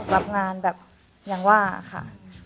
รับงานแบบอย่างว่าค่ะ